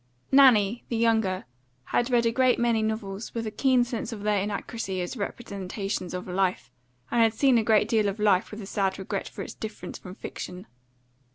Nanny, the younger, had read a great many novels with a keen sense of their inaccuracy as representations of life, and had seen a great deal of life with a sad regret for its difference from fiction.